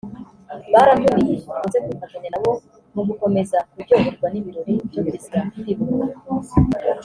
barantumiye ngo nze kwifatanya nabo mu gukomeza kuryoherwa n’ibirori byo kwizihiza Kwibohora